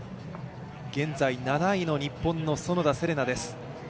現在、７位の日本の園田世玲奈です。